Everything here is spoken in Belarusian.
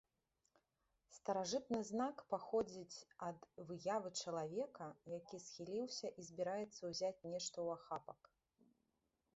Старажытны знак паходзіць ад выявы чалавека, які схіліўся і збіраецца ўзяць нешта ў ахапак.